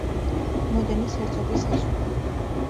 მოდენის ჰერცოგის ასული.